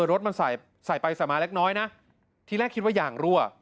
รถมันใส่ใส่ไปใส่มาเล็กน้อยนะทีแรกคิดว่ายางรั่ว